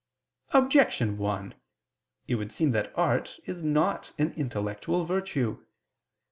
Objection 1: It would seem that art is not an intellectual virtue.